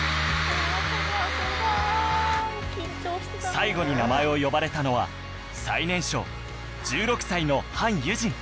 最後に名前を呼ばれたのは最年少１６歳のハン・ユジン